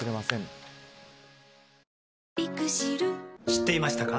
知っていましたか？